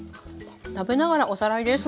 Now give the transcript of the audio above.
食べながらおさらいです。